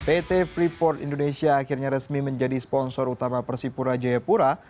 pt freeport indonesia akhirnya resmi menjadi sponsor utama persipura jayapura